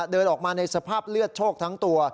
เดินออกมาในสภาพเลือดโชคทั้งตัว